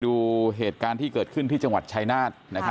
ดูเหตุการณ์ที่เกิดขึ้นที่จังหวัดชายนาฏ